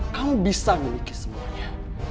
kamu bisa memiliki semuanya